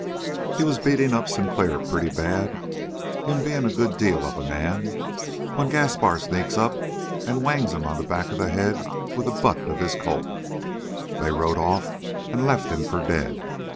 He was beating up Sinclair pretty bad him being a good deal of a man when Gaspar sneaks up and whangs him on the back of the head with the butt of his Colt. They rode off and left him for dead.